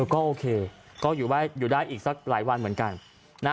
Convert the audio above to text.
ก็โอเคก็อยู่ได้อีกสักหลายวันเหมือนกันนะ